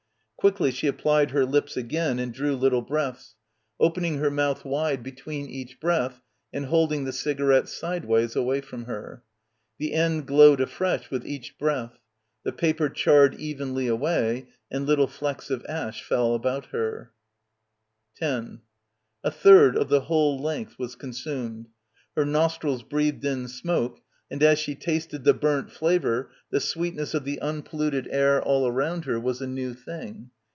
Quickly she applied her lips again and drew little breaths, opening her mouth wide between each breath and holding the cigarette sideways away from her. The end glowed afresh with each breath. The paper charred evenly away and little flecks of ash fell about her. 45 PILGRIMAGE 10 A third of the whole length was consumed. Her nostrils breathed in smoke, and as she tasted the burnt flavour the sweetness of the unpolluted air all around her was a new thing.